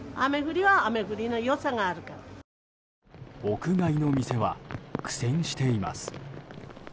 屋外の店は苦戦しています。